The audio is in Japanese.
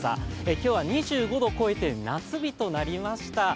今日は２５度を超えて夏日となりました。